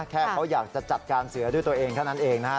แค่เขาอยากจะจัดการเสือด้วยตัวเองเท่านั้นเองนะฮะ